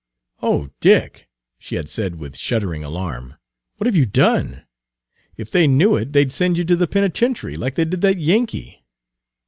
"Oh, Dick," she had said with shuddering alarm, "what have you done? If they knew it they'd send you to the penitentiary, like they did that Yankee."